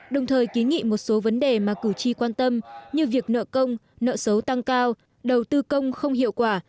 đồng thời ký nghị một số vấn đề mà cử tri quan tâm như việc nợ công nợ xấu tăng cao đầu tư công không hiệu quả